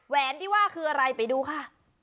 แหนที่ว่าคืออะไรไปดูค่ะ